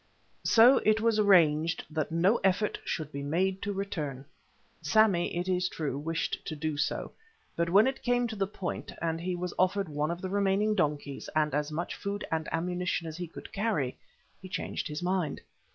So it was arranged that no effort should be made to return. Sammy, it is true, wished to do so, but when it came to the point and he was offered one of the remaining donkeys and as much food and ammunition as he could carry, he changed his mind.